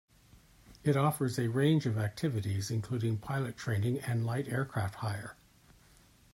It offers a range of activities including pilot training and light aircraft hire.